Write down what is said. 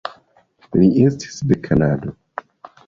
Li estis de Kanado.